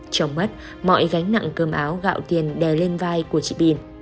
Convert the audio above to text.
trong mắt mọi gánh nặng cơm áo gạo tiền đè lên vai của chị pin